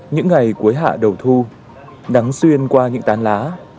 những ngày cuối hạ đầu thu nắng xuyên qua những tán lá